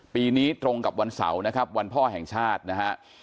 ปีนี้ตรงกับวันเสาร์นะครับวันพ่อแห่งชาตินะฮะ